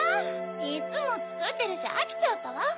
いっつもつくってるしあきちゃったわ。